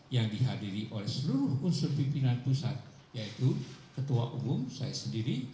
yang dihadiri oleh seluruh unsur pimpinan pusat yaitu ketua umum saya sendiri